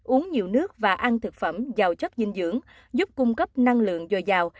uống nhiều nước và ăn thực phẩm giàu chất dinh dưỡng giúp cung cấp năng lượng dồi dào